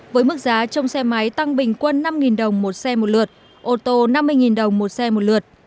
với mức giá trong xe máy tăng bình quân năm đồng một xe một lượt ô tô năm mươi đồng một xe một lượt